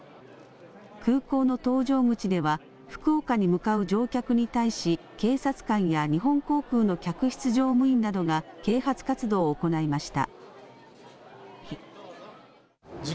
空港の搭乗口では福岡に向かう乗客に対し警察官や日本航空の客室乗務員などが啓発活動を行いました。